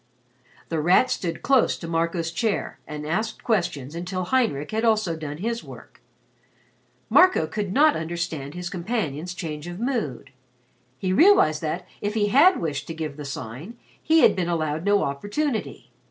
The Rat stood close to Marco's chair and asked questions until Heinrich also had done his work. Marco could not understand his companion's change of mood. He realized that, if he had wished to give the Sign, he had been allowed no opportunity.